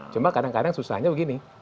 cuma kadang kadang susahnya begini